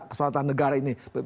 keselamatan negara ini